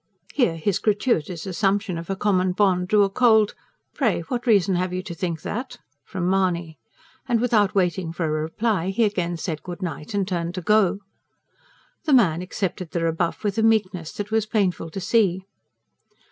Here, his gratuitous assumption of a common bond drew a cold: "Pray, what reason have you to think that?" from Mahony. And without waiting for a reply he again said good night and turned to go. The man accepted the rebuff with a meekness that was painful to see.